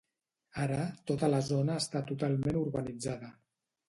Ara tota la zona està totalment urbanitzada.